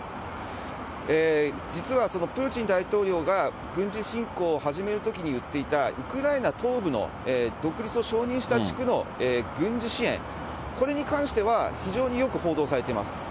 実は、プーチン大統領が軍事侵攻を始めるときに言っていた、ウクライナ東部の独立を承認した地区の軍事支援、これに関しては非常によく報道されています。